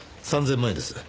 ３０００万円です。